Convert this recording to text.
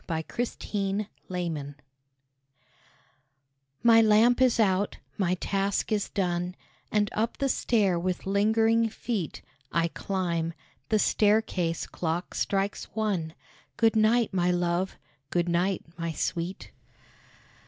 A LATE GOOD NIGHT My lamp is out, my task is done, And up the stair with lingering feet I climb. The staircase clock strikes one. Good night, my love! good night, my sweet!